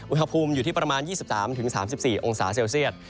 อุณหภูมิอยู่ที่ประมาณ๒๓๓๔องศาเซลเซียต